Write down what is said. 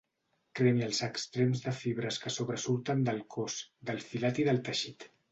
Cremi els extrems de fibres que sobresurten del cos, del filat i del teixit.